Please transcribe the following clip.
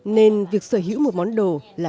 nên việc sở hữu một món đồ là